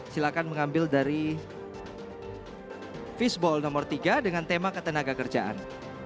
silakan mengambil dari fishball nomor tiga dengan tema ketenaga kerjaan